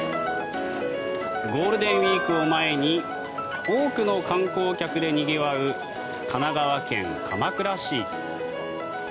ゴールデンウィークを前に多くの観光客でにぎわう神奈川県鎌倉市。